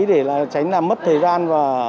để tránh mất thời gian